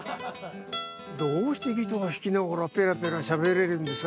どうしてギター弾きながらペラペラしゃべれるんですか？